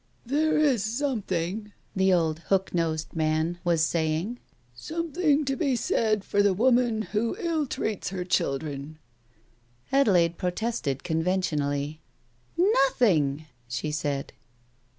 "There is something," the old hook nosed man was Digitized by Google THE TIGER SKIN 239 saying, "something to be said for the woman who ill treats her children." Adelaide protested conventionally. "Nothing!" she said.